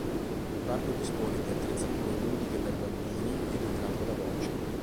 Il parco dispone di attrezzature ludiche per bambini e di un campo da bocce.